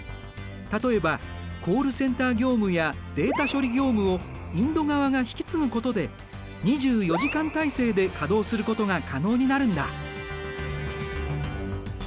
例えばコールセンター業務やデータ処理業務をインド側が引き継ぐことで２４時間体制で稼働することが可能になるんだ。